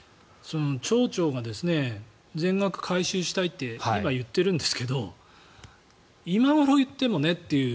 町長が全額回収したいって今、言っているんですが今頃、言ってもねという。